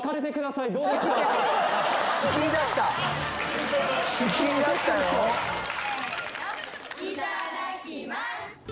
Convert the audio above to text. いただきます。